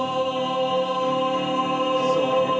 そうね。